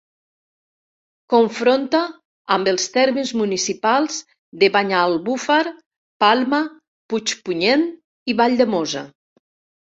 Confronta amb els termes municipals de Banyalbufar, Palma, Puigpunyent i Valldemossa.